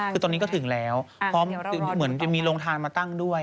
คือตอนนี้ก็ถึงแล้วพร้อมเหมือนจะมีโรงทานมาตั้งด้วย